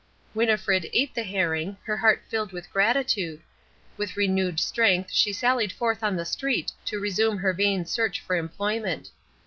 Winnifred ate the herring, her heart filled with gratitude. With renewed strength she sallied forth on the street to resume her vain search for employment.